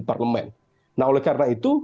parlemen nah oleh karena itu